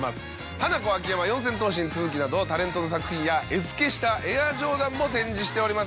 ハナコ・秋山四千頭身・都築などタレントの作品や絵付けしたエアジョーダンも展示しております。